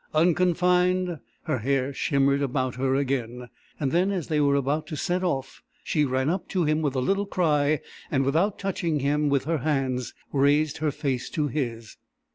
Unconfined, her hair shimmered about her again. And then, as they were about to set off, she ran up to him with a little cry, and without touching him with her hands raised her face to his.